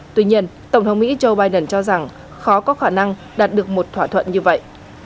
tuy nhiên tổng thống mỹ joe biden cho rằng khó có khả năng đạt được một thỏa thuận như vậy